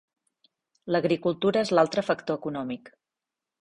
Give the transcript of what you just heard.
L'agricultura és l'altre factor econòmic.